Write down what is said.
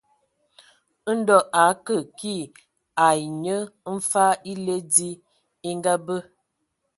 Ndɔ a akə kii ai nye mfag èle dzi e ngabe.